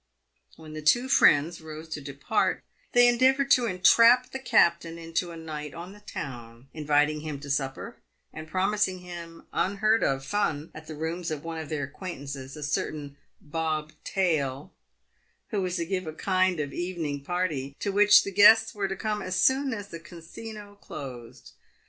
When the two friends rose to depart, they endeavoured to entrap the captain into a night on town, inviting him to supper, and promising him unheard of fun at the rooms of one of their acquaintance — a cer tain Bob Tail — who was to give a kind of evening party, to which the guests were to come as soon as the Casino closed.